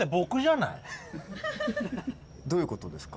どういうことですか？